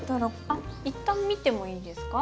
あっ一旦見てもいいですか？